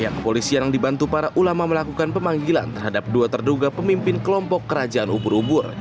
kepolisian yang dibantu para ulama melakukan pemanggilan terhadap dua terduga pemimpin kelompok kerajaan ubur ubur